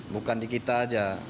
bukan di kita saja